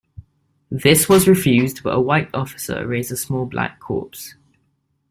This was refused but a white officer raised a small black corps.